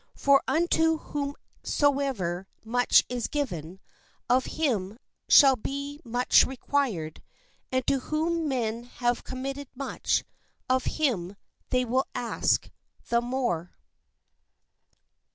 For unto whom . THE FAITHFUL STEWARD soever much is given, of him shall be much required; and to whom men have committed much, of him they will ask the more.